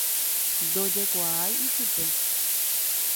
ndojekuaái ijupe